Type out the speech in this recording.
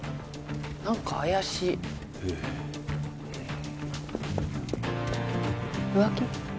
何か怪しい浮気？